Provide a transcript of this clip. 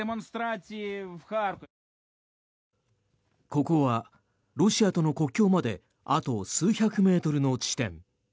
ここはロシアとの国境まであと数百メートルの地点。